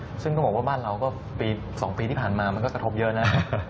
ข้าวนี่ซึ่งทุกคนบอกว่าบ้านเรา๒ปีที่ผ่านมาก็จะธบเยอะนะ